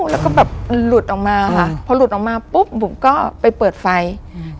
แล้วก็แบบมันหลุดออกมาค่ะพอหลุดออกมาปุ๊บบุ๋มก็ไปเปิดไฟอืม